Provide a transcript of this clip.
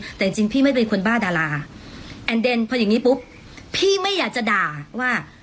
แต่จริงจริงพี่ไม่เป็นคนบ้าดาราแอนเดนพออย่างงี้ปุ๊บพี่ไม่อยากจะด่าว่า